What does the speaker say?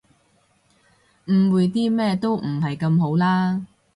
誤會啲咩都唔係咁好啦